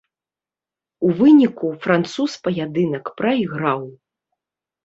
У выніку, француз паядынак прайграў.